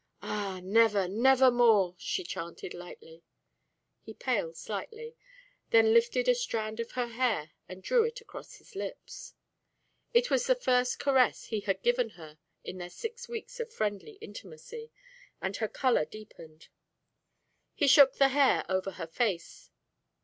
"Ah, never, never more!" she chanted, lightly. He paled slightly, then lifted a strand of her hair and drew it across his lips. It was the first caress he had given her in their six weeks of friendly intimacy, and her colour deepened. He shook the hair over her face.